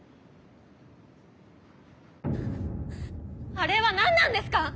あれはなんなんですか！？